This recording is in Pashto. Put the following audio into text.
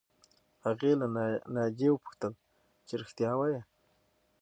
هغې له ناجیې وپوښتل چې رښتیا وایې